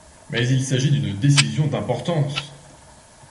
Mais il s'agit d'une décision d’importance.